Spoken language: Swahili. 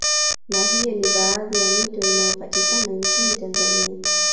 Na hiyo ni baadhi ya mito inayopatikana nchini Tanzania